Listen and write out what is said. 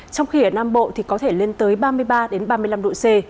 trong khi ở nam bộ thì có thể lên tới ba mươi ba ba mươi năm độ c